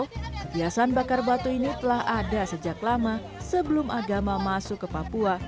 kebiasaan bakar batu ini telah ada sejak lama sebelum agama masuk ke papua